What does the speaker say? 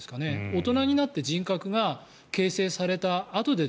大人になって人格が形成されたあとで